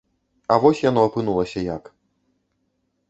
А вось яно апынулася як.